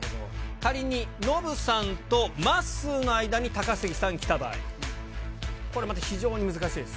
仮にノブさんとまっすーの間に高杉さんきた場合、これまた非常に難しいです。